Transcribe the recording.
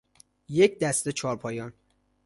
یک دسته چارپایان